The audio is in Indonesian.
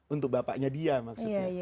untuk bapaknya dia maksudnya